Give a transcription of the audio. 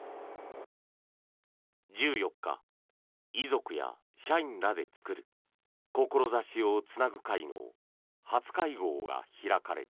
１４日、遺族や社員らで作る志を繋ぐ会の初会合が開かれた。